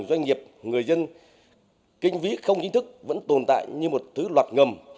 doanh nghiệp người dân kinh ví không chính thức vẫn tồn tại như một thứ loạt ngầm